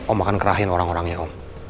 om makan kerahin orang orangnya om